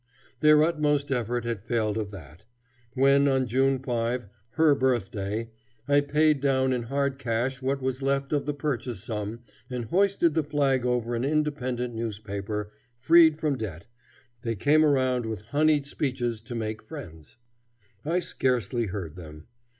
Their utmost effort had failed of that. When, on June 5, Her birthday, I paid down in hard cash what was left of the purchase sum and hoisted the flag over an independent newspaper, freed from debt, they came around with honeyed speeches to make friends. I scarcely heard them.